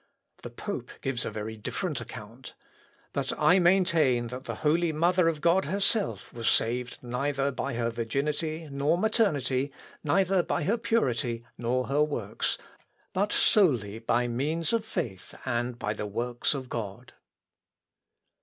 The pope gives a very different account. But I maintain that the holy Mother of God herself was saved neither by her virginity nor maternity, neither by her purity nor her works, but solely by means of faith and by the works of God...."